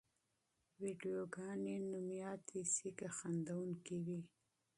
ویډیوګانې مشهورې شي که خندوونکې وي.